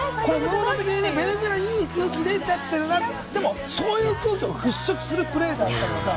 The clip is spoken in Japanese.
ベネズエラ、いい空気出しちゃってるなとか、そういう空気を払拭するプレーだった。